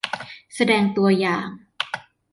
แสดงตัวอย่าง